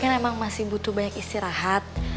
boy kan emang masih butuh banyak istirahat